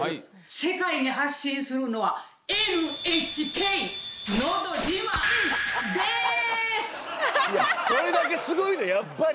世界に発信するのはいやそれだけすごいのやっぱり。